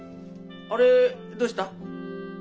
あれどうした？え？